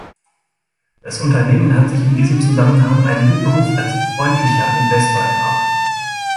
Das Unternehmen hat sich in diesem Zusammenhang einen guten Ruf als „freundlicher“ Investor erarbeitet.